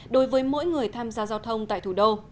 đối với mỗi người tham gia giao thông tại thủ đô